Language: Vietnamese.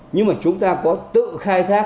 nhưng mà chúng ta có tự khai thác